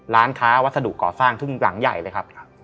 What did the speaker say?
ร้านค้าวัสดุก่อสร้างหลังใหญ่เลยครับ